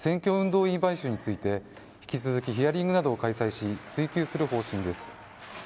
動員買収について引き続きヒアリングなどを開催し追及する方針です。